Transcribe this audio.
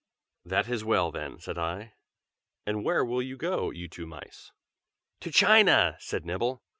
"That is well then," said I. "And where will you go, you two mice?" "To China!" said Nibble.